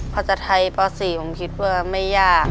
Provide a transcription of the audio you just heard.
ภาษาไทยป๔ผมคิดว่าไม่ยาก